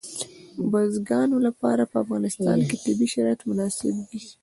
د بزګانو لپاره په افغانستان کې طبیعي شرایط مناسب دي.